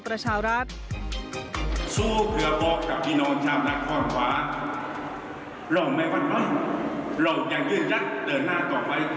เราไม่วั่นไว้เรายังยื่นยักษ์เดินหน้าต่อไป